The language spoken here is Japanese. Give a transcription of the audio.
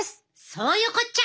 そういうこっちゃ！